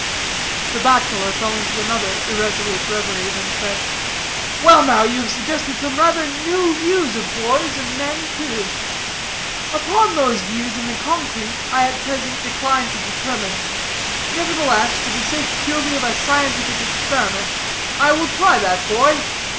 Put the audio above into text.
The bachelor fell into another irresolute reverie; then said: "Well, now, you have suggested some rather new views of boys, and men, too. Upon those views in the concrete I at present decline to determine. Nevertheless, for the sake purely of a scientific experiment, I will try that boy.